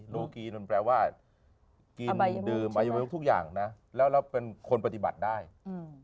โลกีมันแปลว่ากินดื่มทุกอย่างนะแล้วแล้วเป็นคนปฏิบัติได้อืม